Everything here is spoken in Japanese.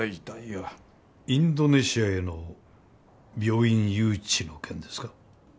インドネシアへの病院誘致の件ですか？